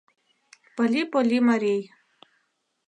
Пыли-поли марий.